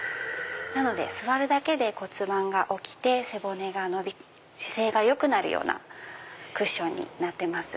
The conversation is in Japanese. なので座るだけで骨盤が起きて背骨が伸び姿勢がよくなるようなクッションになってます。